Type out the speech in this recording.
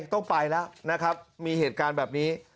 ต้องไปแล้วนะครับมีเหตุการณ์แบบนี้